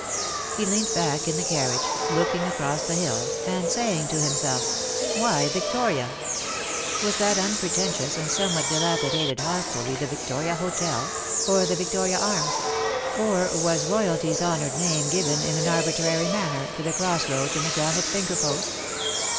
He leant back in the carriage, looking across the hills, and saying to himself, " Why, Victoria ?" Was that unpretentious and somewhat dilapidated hostelry the Victoria Hotel ? or the THE LOVELACE OE HIS DAY. 45 Victoria Arms ? or was Royalty^s honoured name given^ in an arbitrary manner^ to the cross roads and the granite finger post